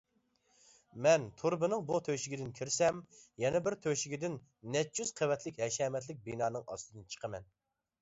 مەن تۇرۇبىنىڭ بۇ تۆشۈكىدىن كىرسەم يەنە بىر تۆشۈكىدىن نەچچە يۈز قەۋەتلىك ھەشەمەتلىك بىنانىڭ ئاستىدىن چىقىمەن.